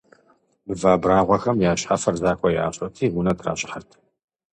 Мывэ абрагъуэхэм я щхьэфэр захуэ ящӏырти, унэ тращӏыхьырт.